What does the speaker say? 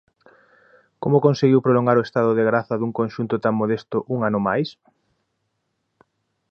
Como conseguiu prolongar o estado de graza dun conxunto tan modesto un ano máis?